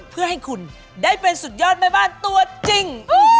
เพื่อให้คุณได้เป็นสุดยอดแม่บ้านตัวจริง